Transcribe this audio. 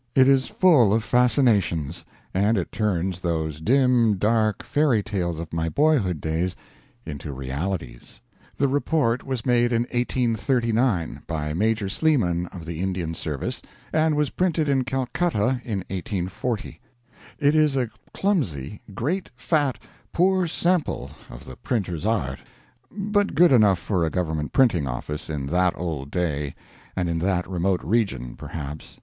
It is full of fascinations; and it turns those dim, dark fairy tales of my boyhood days into realities. The Report was made in 1839 by Major Sleeman, of the Indian Service, and was printed in Calcutta in 1840. It is a clumsy, great, fat, poor sample of the printer's art, but good enough for a government printing office in that old day and in that remote region, perhaps.